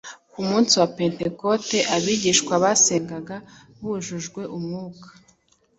Ku munsi wa Pentekote abigishwa basengaga buzujwe Mwuka